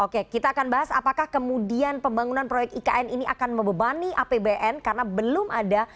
oke kita akan bahas apakah kemudian pembangunan proyek ikn ini akan membebani apbn karena belum ada